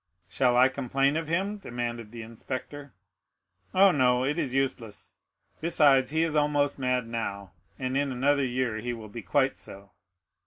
"Shall I complain of him?" demanded the inspector. "Oh, no; it is useless. Besides, he is almost mad now, and in another year he will be quite so."